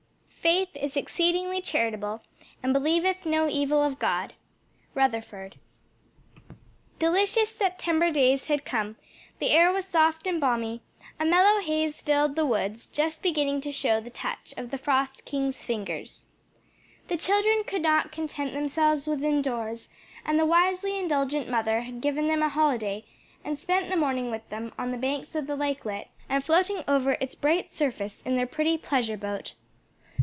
"Faith is exceedingly charitable and believeth no evil of God." Rutherford. Delicious September days had come; the air was soft and balmy; a mellow haze filled the woods, just beginning to show the touch of the Frost King's fingers. The children could not content themselves within doors, and the wisely indulgent mother had given them a holiday and spent the morning with them on the banks of the lakelet and floating over its bright surface in their pretty pleasure boat.